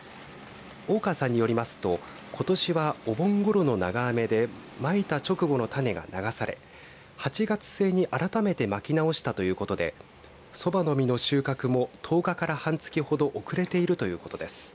大川さんによりますとことしは、お盆ごろの長雨でまいた直後の種が流され８月末に改めてまき直したということでそばの実の収穫も１０日から半月ほど遅れているということです。